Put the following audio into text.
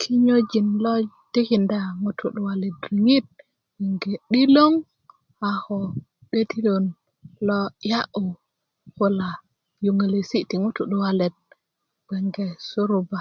kinyojin lo tikinda ŋutu' luwalet riŋit gwe 'dilong a ko 'dötilön lo 'ya'yu kula ti yuŋölesi' ti ŋutu' luwalet gwenge suruba